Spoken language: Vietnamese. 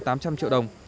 tám trăm linh triệu đồng